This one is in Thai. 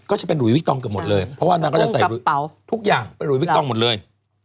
ก็จะเป็นหุยวิกตองเกือบหมดเลยเพราะว่านางก็จะใส่ทุกอย่างเป็นหุยวิกตองหมดเลย